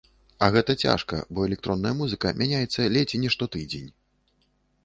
А гэта цяжка, бо электронная музыка мяняецца ледзь не штотыдзень.